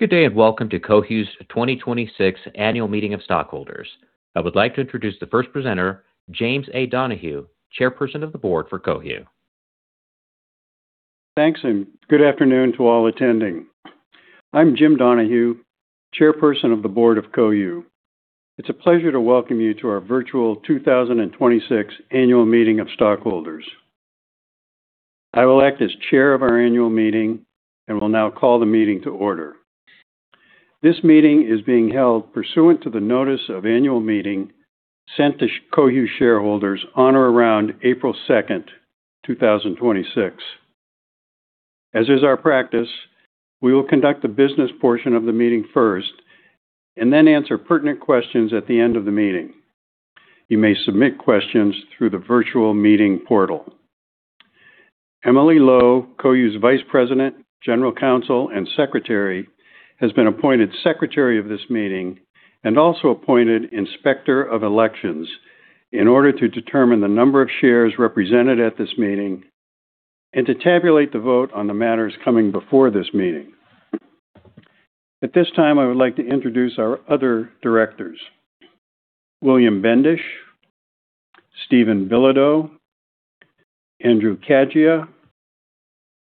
Good day, and welcome to Cohu's 2026 annual meeting of stockholders. I would like to introduce the first presenter, James A. Donahue, Chairperson of the Board for Cohu. Thanks. Good afternoon to all attending. I'm Jim Donahue, Chairperson of the Board of Cohu. It's a pleasure to welcome you to our virtual 2026 annual meeting of stockholders. I will act as chair of our annual meeting and will now call the meeting to order. This meeting is being held pursuant to the notice of annual meeting sent to Cohu shareholders on or around April 2nd, 2026. As is our practice, we will conduct the business portion of the meeting first, and then answer pertinent questions at the end of the meeting. You may submit questions through the virtual meeting portal. Emily Lough, Cohu's Vice President, General Counsel and Secretary, has been appointed Secretary of this meeting and also appointed Inspector of Elections in order to determine the number of shares represented at this meeting and to tabulate the vote on the matters coming before this meeting. At this time, I would like to introduce our other Directors: William Bendush, Steven Bilodeau, Andrew Caggia,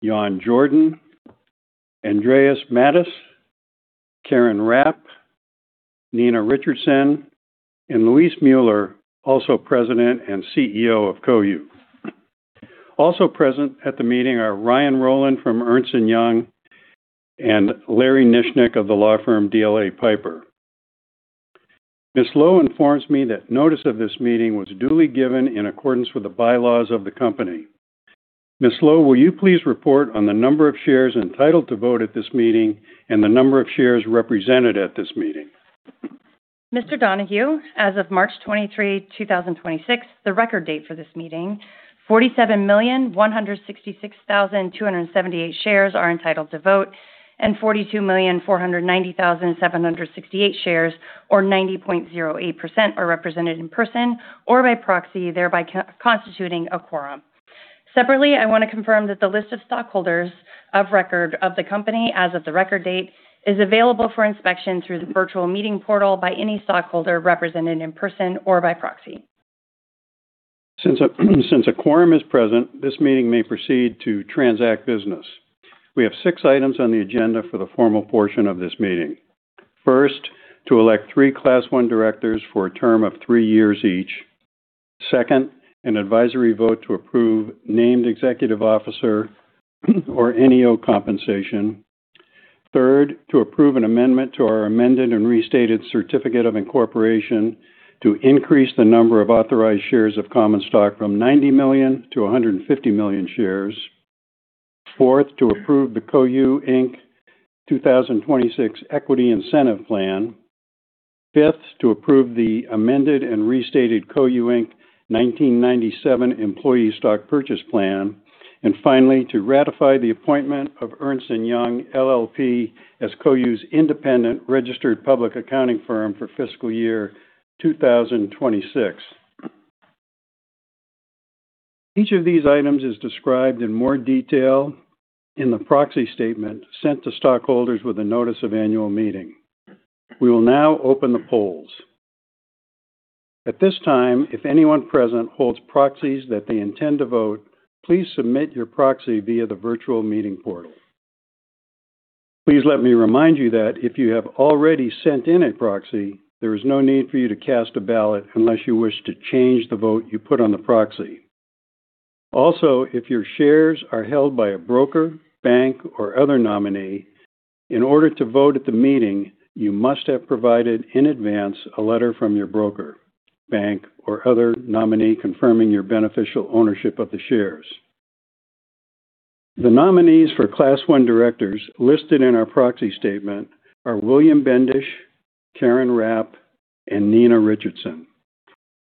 Yon Jorden, Andreas Mattes, Karen Rapp, Nina Richardson, and Luis Müller, also President and Chief Executive Officer of Cohu. Also present at the meeting are Ryan Roland from Ernst & Young and Larry Nishnick of the law firm DLA Piper. Ms. Lough informs me that notice of this meeting was duly given in accordance with the bylaws of the company. Ms. Lough, will you please report on the number of shares entitled to vote at this meeting and the number of shares represented at this meeting? Mr. Donahue, as of March 23, 2026, the record date for this meeting, 47,166,278 shares are entitled to vote, and 42,490,768 shares, or 90.08%, are represented in person or by proxy, thereby constituting a quorum. Separately, I wanna confirm that the list of stockholders of record of the company as of the record date is available for inspection through the virtual meeting portal by any stockholder represented in person or by proxy. Since a quorum is present, this meeting may proceed to transact business. We have six items on the agenda for the formal portion of this meeting. First, to elect three Class 1 directors for a term of three years each. Second, an advisory vote to approve named executive officer, or NEO, compensation. Third, to approve an amendment to our amended and restated certificate of incorporation to increase the number of authorized shares of common stock from 90 million to 150 million shares. Fourth, to approve the Cohu, Inc. 2026 equity incentive plan. Fifth, to approve the amended and restated Cohu, Inc. 1997 employee stock purchase plan. Finally, to ratify the appointment of Ernst & Young LLP as Cohu's independent registered public accounting firm for fiscal year 2026. Each of these items is described in more detail in the proxy statement sent to stockholders with a notice of annual meeting. We will now open the polls. At this time, if anyone present holds proxies that they intend to vote, please submit your proxy via the virtual meeting portal. Please let me remind you that if you have already sent in a proxy, there is no need for you to cast a ballot unless you wish to change the vote you put on the proxy. Also, if your shares are held by a broker, bank, or other nominee, in order to vote at the meeting, you must have provided in advance a letter from your broker, bank, or other nominee confirming your beneficial ownership of the shares. The nominees for Class 1 directors listed in our proxy statement are William Bendush, Karen Rapp, and Nina Richardson.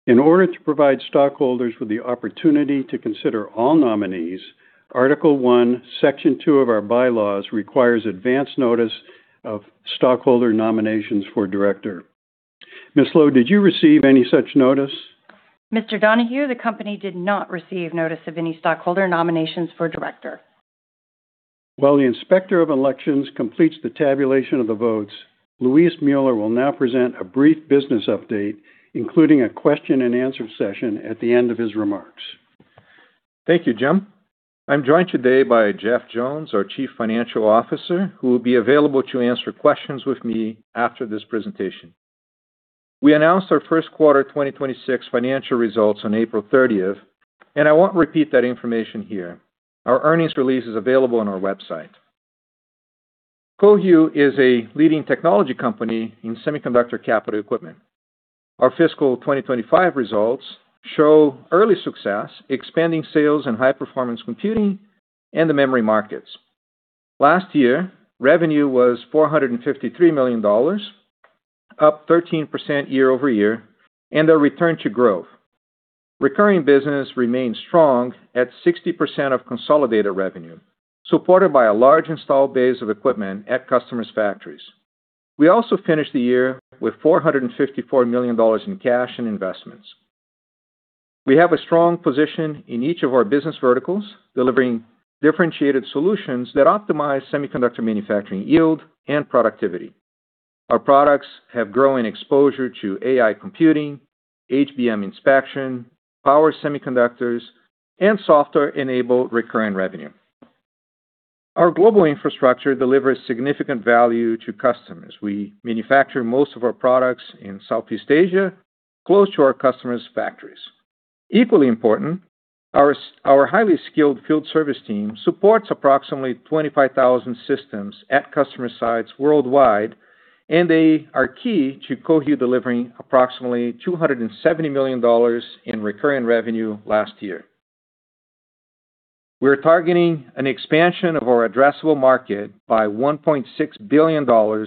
In order to provide stockholders with the opportunity to consider all nominees, Article One, Section Two of our bylaws requires advance notice of stockholder nominations for director. Ms. Lough, did you receive any such notice? Mr. Donahue, the company did not receive notice of any stockholder nominations for director. While the inspector of elections completes the tabulation of the votes, Luis Müller will now present a brief business update, including a question and answer session at the end of his remarks. Thank you, Jim. I'm joined today by Jeff Jones, our Chief Financial Officer, who will be available to answer questions with me after this presentation. We announced our first quarter 2026 financial results on April 30th, and I won't repeat that information here. Our earnings release is available on our website. Cohu is a leading technology company in semiconductor capital equipment. Our fiscal 2025 results show early success expanding sales in high-performance computing and the memory markets. Last year, revenue was $453 million, up 13% year-over-year, and a return to growth. Recurring business remains strong at 60% of consolidated revenue, supported by a large installed base of equipment at customers' factories. We also finished the year with $454 million in cash and investments. We have a strong position in each of our business verticals, delivering differentiated solutions that optimize semiconductor manufacturing yield and productivity. Our products have growing exposure to AI computing, HBM inspection, power semiconductors, and software-enabled recurring revenue. Our global infrastructure delivers significant value to customers. We manufacture most of our products in Southeast Asia, close to our customers' factories. Equally important, our highly skilled field service team supports approximately 25,000 systems at customer sites worldwide, and they are key to Cohu delivering approximately $270 million in recurring revenue last year. We're targeting an expansion of our addressable market by $1.6 billion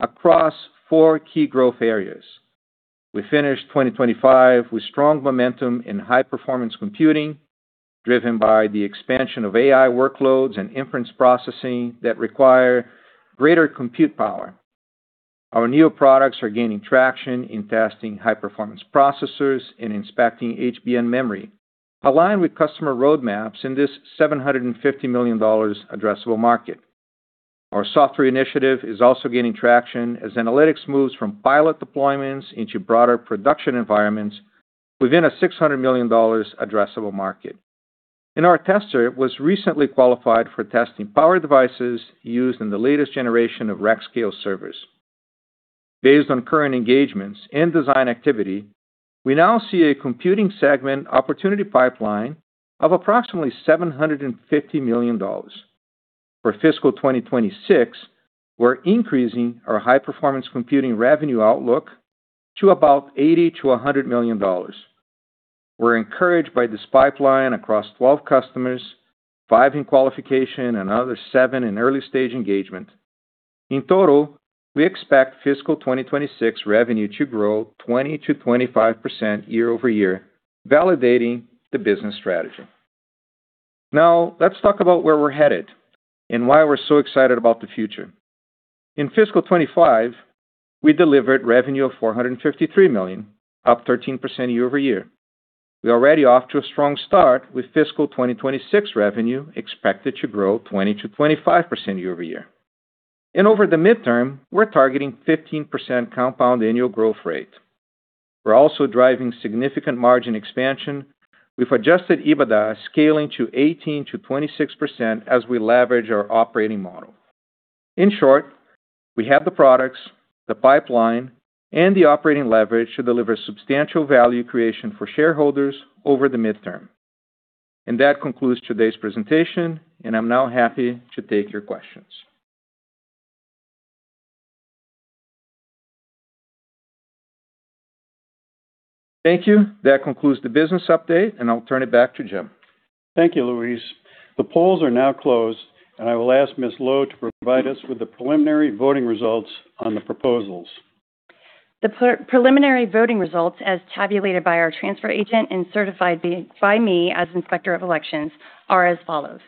across four key growth areas. We finished 2025 with strong momentum in high-performance computing, driven by the expansion of AI workloads and inference processing that require greater compute power. Our new products are gaining traction in testing high-performance processors and inspecting HBM memory, aligned with customer roadmaps in this $750 million addressable market. Our software initiative is also gaining traction as analytics moves from pilot deployments into broader production environments within a $600 million addressable market. Our tester was recently qualified for testing power devices used in the latest generation of rack-scale servers. Based on current engagements and design activity, we now see a computing segment opportunity pipeline of approximately $750 million. For fiscal 2026, we're increasing our high-performance computing revenue outlook to about $80 million-$100 million. We're encouraged by this pipeline across 12 customers, five in qualification, another seven in early-stage engagement. In total, we expect fiscal 2026 revenue to grow 20%-25% year-over-year, validating the business strategy. Let's talk about where we're headed and why we're so excited about the future. In fiscal 2025, we delivered revenue of $453 million, up 13% year-over-year. We're already off to a strong start with fiscal 2026 revenue expected to grow 20%-25% year-over-year. Over the midterm, we're targeting 15% compound annual growth rate. We're also driving significant margin expansion with adjusted EBITDA scaling to 18%-26% as we leverage our operating model. In short, we have the products, the pipeline, and the operating leverage to deliver substantial value creation for shareholders over the midterm. That concludes today's presentation, and I am now happy to take your questions. Thank you. That concludes the business update, and I will turn it back to Jim. Thank you, Luis. The polls are now closed, and I will ask Ms. Lough to provide us with the preliminary voting results on the proposals. The pre-preliminary voting results, as tabulated by our transfer agent and certified by me as Inspector of Elections, are as follows.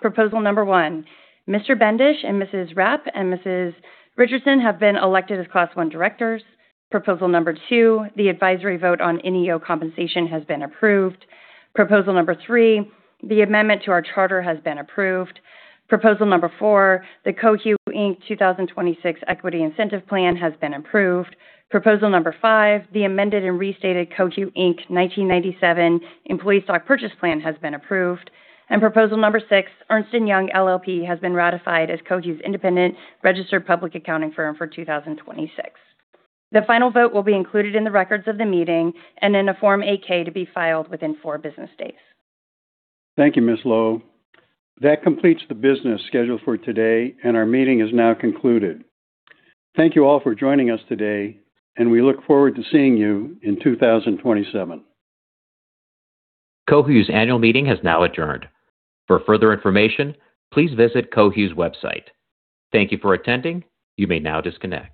Proposal number one: Mr. Bendush and Mrs. Rapp and Mrs. Richardson have been elected as Class 1 Directors. Proposal number two: the advisory vote on NEO compensation has been approved. Proposal number three: the amendment to our charter has been approved. Proposal number four: the Cohu, Inc. 2026 equity incentive plan has been approved. Proposal number five: the amended and restated Cohu, Inc. 1997 employee stock purchase plan has been approved. Proposal number six: Ernst & Young LLP has been ratified as Cohu's independent registered public accounting firm for 2026. The final vote will be included in the records of the meeting and in a Form 8-K to be filed within four business days. Thank you, Ms. Lough. That completes the business scheduled for today, and our meeting is now concluded. Thank you all for joining us today, and we look forward to seeing you in 2027. Cohu's annual meeting has now adjourned. For further information, please visit Cohu's website. Thank you for attending. You may now disconnect.